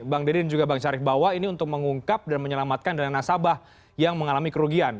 bang deddy dan juga bang syarif bawa ini untuk mengungkap dan menyelamatkan dana nasabah yang mengalami kerugian